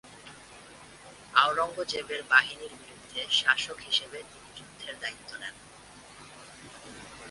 আওরঙ্গজেবের বাহিনীর বিরুদ্ধে, শাসক হিসেবে, তিনি যুদ্ধের দায়িত্ব নেন।